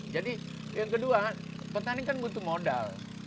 jadi yang kedua petani kan butuh modal